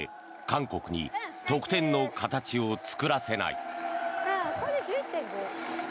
韓国に得点の形を作らせない。